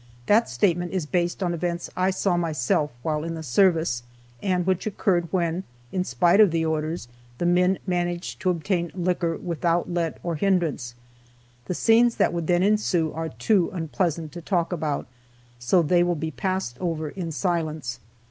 That statement is based on events I saw myself while in the service, and which occurred when, in spite of the orders, the men managed to obtain liquor without let or hindrance. The scenes that would then ensue are too unpleasant to talk about, so they will be passed over in silence.